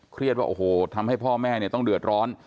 เครียดว่าโอ้โหทำให้พ่อแม่ต้องเดือดร้อน